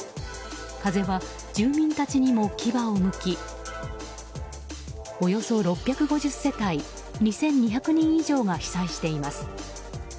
風は住民たちにも牙をむきおよそ６５０世帯２２００人以上が被災しています。